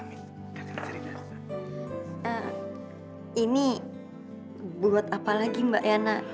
ini buat apa lagi mbak yana